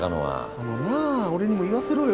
あのな俺にも言わせろよ。